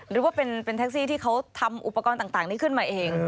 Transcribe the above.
หรือว่าเป็นแท็กซี่ที่เขาทำอุปกรณ์ต่างนี้ขึ้นมาเอง